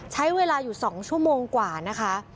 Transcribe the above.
ใช้เวลาอยู่๒ชั่วโมงกว่านะคะ